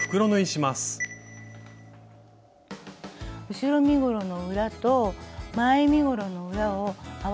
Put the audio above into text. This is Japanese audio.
後ろ身ごろの裏と前身ごろの裏を合わせます。